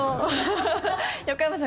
横山さん